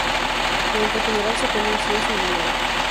Durante el funeral se quema incienso y dinero.